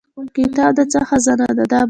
کتاب د څه خزانه ده؟